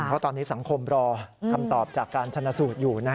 เพราะตอนนี้สังคมรอคำตอบจากการชนะสูตรอยู่